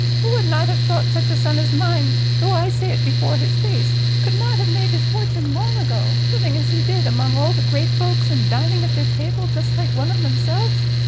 Who would not have thought such a son as mine, though I say it before his face, could not have made his fortune long ago, living as he did, among all the great folks, and dining at their table just like one of themselves?